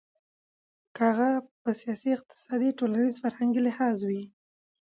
که هغه په سياسي، اقتصادي ،ټولنيز، فرهنګي لحاظ وي .